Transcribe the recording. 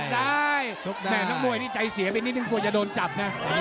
แม่น้องมวยนี่ใจเสียไปนิดนึงกว่าจะโดนจับนะ